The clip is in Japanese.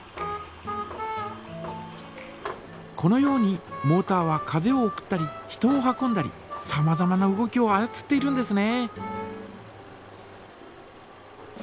このようにモータは風を送ったり人を運んだりさまざまな動きをあやつっているんですね。